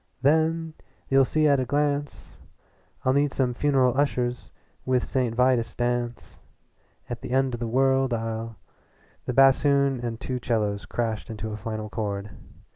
"Then you'll see at a glance I'll need some funeral ushers with St. Vitus dance At the end of the world I'll " The bassoon and two cellos crashed into a final chord.